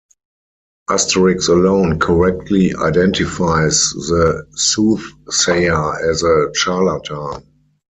Asterix alone correctly identifies the soothsayer as a charlatan.